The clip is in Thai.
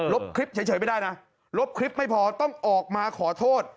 บคลิปเฉยไม่ได้นะลบคลิปไม่พอต้องออกมาขอโทษ